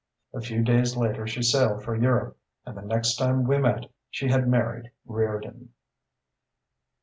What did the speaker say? "A few days later she sailed for Europe, and the next time we met she had married Reardon...."